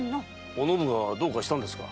おのぶがどうかしたんですか？